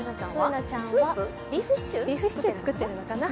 Ｂｏｏｎａちゃんはビーフシチュー、作ってるのかな。